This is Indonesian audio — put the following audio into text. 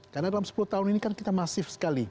karena dalam sepuluh tahun ini kan kita masif sekali